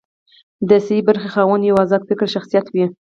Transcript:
د سي برخې خاوند یو ازاد فکره شخصیت وي.